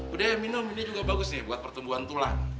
budaya minum ini juga bagus nih buat pertumbuhan tulang